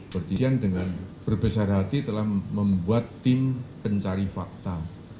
presiden dengan berbesar hati telah membuat tim pencari fakta